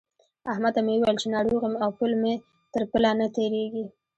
احمد ته مې وويل چې ناروغ يم او پل مې تر پله نه تېرېږي.